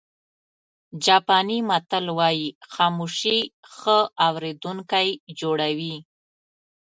جاپاني متل وایي خاموشي ښه اورېدونکی جوړوي.